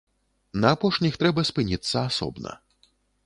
На апошніх трэба спыніцца асобна.